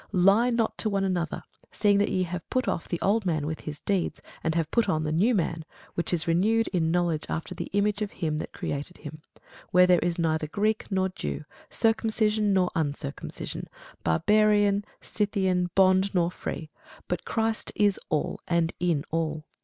Lie not one to another, seeing that ye have put off the old man with his deeds; and have put on the new man, which is renewed in knowledge after the image of him that created him: where there is neither Greek nor Jew, circumcision nor uncircumcision, Barbarian, Scythian, bond nor free: but Christ is all, and in all.